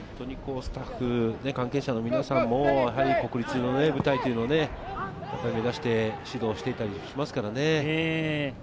本当にスタッフ、関係者の皆さんも国立の舞台というのを目指して指導していたりしますからね。